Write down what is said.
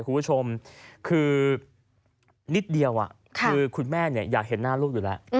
คุณผู้ชมคือนิดเดียวคือคุณแม่อยากเห็นหน้าลูกอยู่แล้ว